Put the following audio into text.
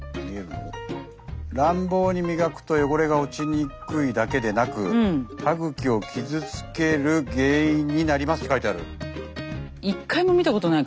「乱暴にみがくと汚れが落ちにくいだけでなく歯グキを傷つける原因になります」って書いてある。